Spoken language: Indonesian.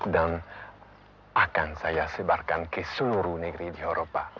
dan akan saya sebarkan ke seluruh negeri di eropa